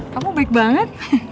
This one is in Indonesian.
kamu baik banget